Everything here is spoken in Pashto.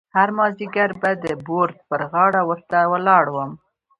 هر مازیګر به د بورد پر غاړه ورته ولاړ وم.